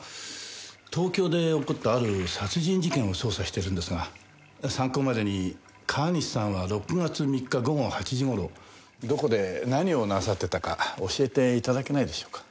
東京で起こったある殺人事件を捜査しているんですが参考までに川西さんは６月３日午後８時頃どこで何をなさっていたか教えて頂けないでしょうか？